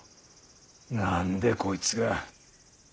何でこいつが。